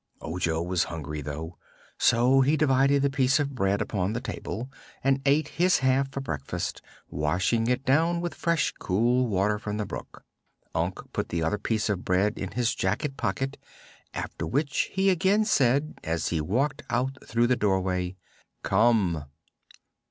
Ojo was hungry, though; so he divided the piece of bread upon the table and ate his half for breakfast, washing it down with fresh, cool water from the brook. Unc put the other piece of bread in his jacket pocket, after which he again said, as he walked out through the doorway: "Come."